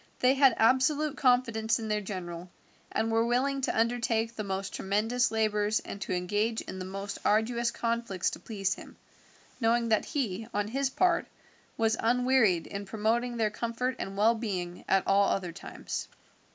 They had absolute confidence in their general, and were willing to undertake the most tremendous labours and to engage in the most arduous conflicts to please him, knowing that he, on his part, was unwearied in promoting their comfort and well being at all other times.